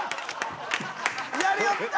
やりよった！